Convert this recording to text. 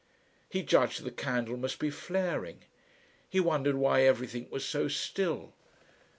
He judged the candle must be flaring. He wondered why everything was so still.